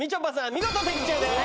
見事的中です。